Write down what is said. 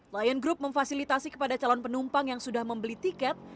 lion group memfasilitasi kepada calon penumpang yang sudah membeli tiket